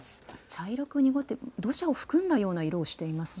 茶色く濁って土砂を含んだような色をしていますね。